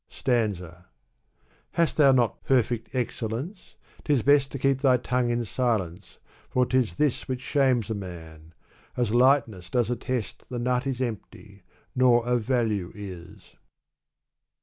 Stanza. Hast thou not perfect excellence, 'tis best To keep thy tongue in silence, for 'tis this Which shames a man ; as lightness does attest The nut is empty, nor of value is.